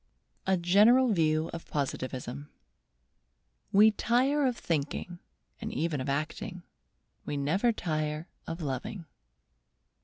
A GENERAL VIEW OF POSITIVISM 'We tire of thinking and even of acting; we never tire of loving.